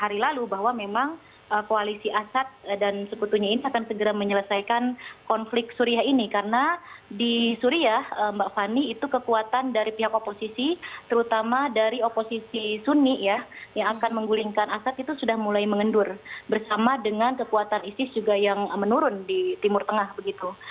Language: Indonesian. hari lalu bahwa memang koalisi assad dan sekutunya ini akan segera menyelesaikan konflik suriah ini karena di suriah mbak fani itu kekuatan dari pihak oposisi terutama dari oposisi sunni ya yang akan menggulingkan assad itu sudah mulai mengendur bersama dengan kekuatan isis juga yang menurun di timur tengah begitu